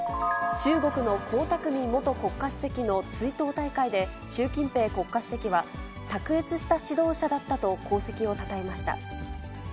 中国の江沢民元国家主席の追悼大会で、習近平国家主席は、卓越した指導者だったと功績をたたえました。